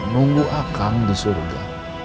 nunggu akang di surga